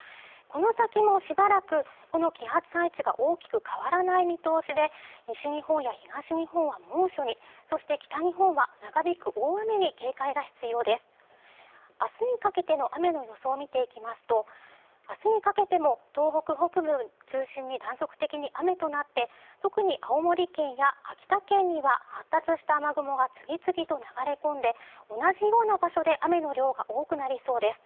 この先もしばらくこの気圧配置が大きく変わらない見通しで西日本や東日本は猛暑に、そして北日本は長引く大雨に警戒が必要です明日にかけての雨の予想を見ていきますと明日にかけても東北北部を中心に断続的に雨となって特に青森県や秋田県には発達した雨雲が次々と流れ込んで同じような場所で雨の量が多くなりそうです